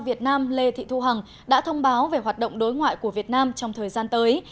việt nam lê thị thu hằng đã thông báo về hoạt động đối ngoại của việt nam trong thời gian tới